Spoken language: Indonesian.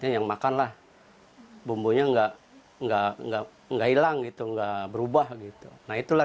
yang makanlah bumbunya enggak enggak enggak enggak hilang gitu enggak berubah gitu nah itulah